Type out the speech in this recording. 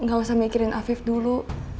gak usah mikirin afif dulu